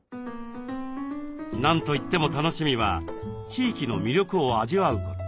何といっても楽しみは地域の魅力を味わうこと。